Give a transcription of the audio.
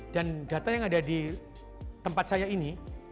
dan data yang ada di tempat saya ini